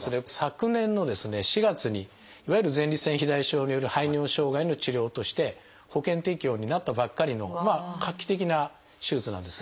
昨年のですね４月にいわゆる前立腺肥大症による排尿障害の治療として保険適用になったばっかりの画期的な手術なんです。